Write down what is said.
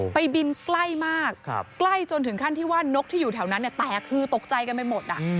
ไปบินใกล้มากใกล้จนถึงขั้นที่ว่านกที่อยู่แถวนั้นแตกคือตกใจกันไปหมด